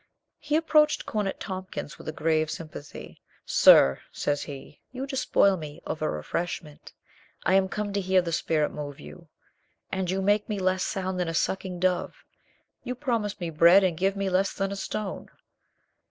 He approached Cornet Tompkins with a grave sym pathy. "Sir," says he, "you despoil me of ,a refresh ment I am come to hear the spirit move you, and you make me less sound than a sucking dove. You promise me bread and give me less than a stone."